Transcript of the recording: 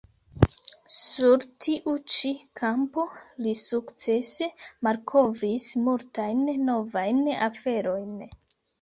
Sur tiu ĉi kampo li sukcese malkovris multajn novajn aferojn.